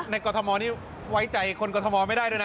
กรทมนี่ไว้ใจคนกรทมไม่ได้ด้วยนะ